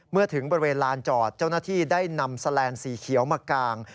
เมื่อถึงบริเวณลานจอดเจ้าหน้าที่ได้นำแสลนสีเขียวมากาง